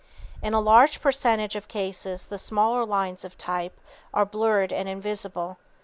In a large percentage of cases the smaller lines of type are blurred and invisible.